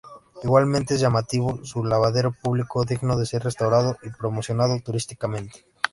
Igualmente es llamativo su lavadero público, digno de ser restaurado y promocionado turísticamente.